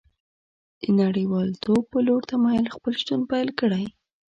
د نړیوالتوب په لور تمایل خپل شتون پیل کړی